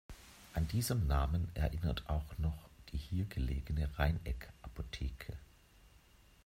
An diesem Namen erinnert auch noch die hier gelegene Rheineck-Apotheke.